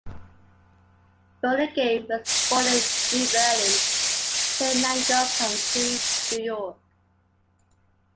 Burlingame was born in New Berlin, Chenango County, New York.